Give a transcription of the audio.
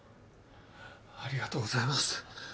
ありがとうございます。